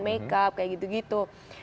makeup kayak gitu gitu